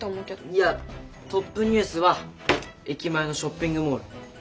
いやトップニュースは駅前のショッピングモール。